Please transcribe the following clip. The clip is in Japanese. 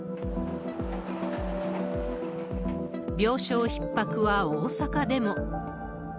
病床ひっ迫は大阪でも。